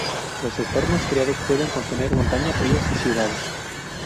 Los entornos creados pueden contener montañas, ríos y ciudades.